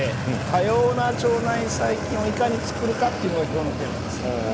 多様な腸内細菌をいかに作るかということが今日のテーマです。